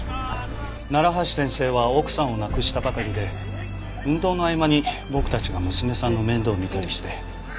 楢橋先生は奥さんを亡くしたばかりで運動の合間に僕たちが娘さんの面倒を見たりして。